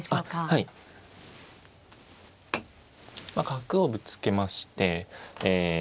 角をぶつけましてえ。